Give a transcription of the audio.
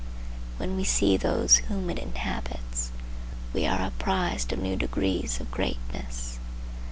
When we see those whom it inhabits, we are apprised of new degrees of greatness.